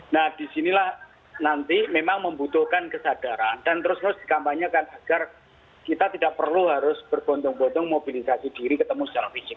nah disinilah nanti memang membutuhkan kesadaran dan terus terus dikampanyekan agar kita tidak perlu harus berbontong botong mobilisasi diri ketemu secara fisik